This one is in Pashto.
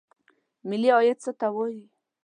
ملي عاید څه ته وایي؟